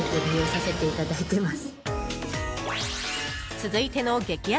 続いての激安